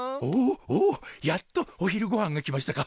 おおやっとお昼ごはんが来ましたか。